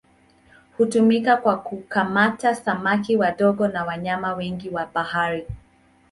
Hutumika kwa kukamata samaki wadogo na wanyama wengine wa bahari.